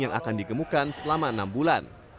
yang akan digemukan selama enam bulan